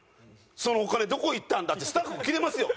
「そのお金どこ行ったんだ？」ってスタッフにキレますよ。